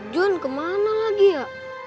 john kemana lagi ya